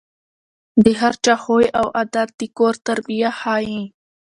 د هر چا خوی او عادت د کور تربیه ښيي.